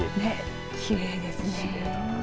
きれいですね。